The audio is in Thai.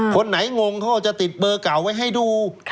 คนไหนงงเขาก็จะติดเบอร์เก่าไว้ให้ดู